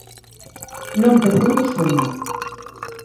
Non perdemos unha.